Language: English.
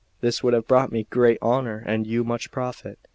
This would have brought me great honour and you much profit.